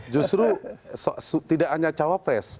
justru tidak hanya cawapres